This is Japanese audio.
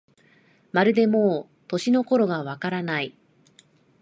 まるでもう、年の頃がわからない